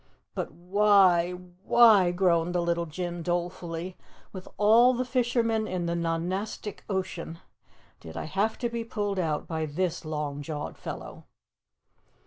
"But why why " groaned the little Jinn dolefully, "with all the fishermen in the Nonestic Ocean did I have to be pulled out by this long jawed fellow?"